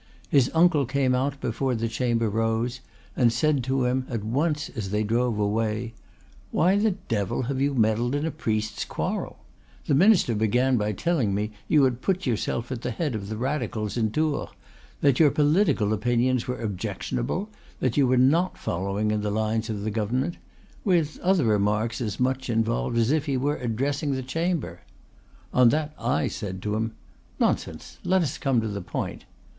His uncle came out before the Chamber rose, and said to him at once as they drove away: "Why the devil have you meddled in a priest's quarrel? The minister began by telling me you had put yourself at the head of the Radicals in Tours; that your political opinions were objectionable; you were not following in the lines of the government, with other remarks as much involved as if he were addressing the Chamber. On that I said to him, 'Nonsense; let us come to the point.